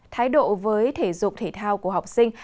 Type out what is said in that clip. thái độ với thể dục thể thao của học sinh